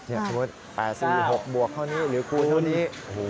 สมมุติ๘๔๖บวกเท่านี้หรือคูณเท่านี้